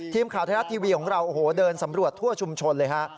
ทีมข่าวทะเลาะทีวีของเราเดินสำรวจทั่วชุมชนเลย